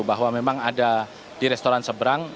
bahwa memang ada di restoran seberang